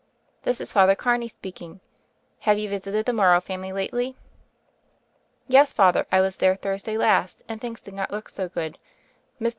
"This is Father Carney speaking. Have you visited the Morrow family lately?" "Yes, Father, I was there Thursday last, and things did not look so good. Mr.